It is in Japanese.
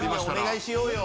お願いしようよ。